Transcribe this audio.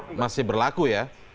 jadi masih berlaku ya